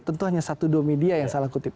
tentu hanya satu dua media yang salah kutip